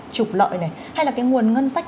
trục lợi này hay là cái nguồn ngân sách